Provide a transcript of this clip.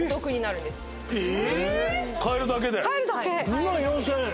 ２４，０００円？